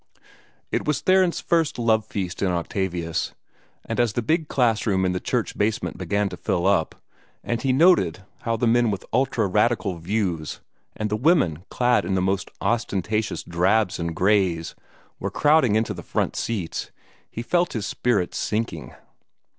It was Theron's first love feast in Octavius, and as the big class room in the church basement began to fill up, and he noted how the men with ultra radical views and the women clad in the most ostentatious drabs and grays were crowding into the front seats, he felt his spirits sinking.